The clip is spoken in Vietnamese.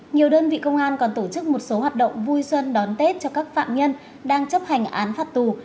nhiều đơn vị công an còn tổ chức một số hoạt động vui xuân đón tết cho các phạm nhân đang chấp hành án phạt tù